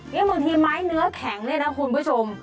นี่บางทีไม้เนื้อแข็งเนี่ยนะคุณผู้ชม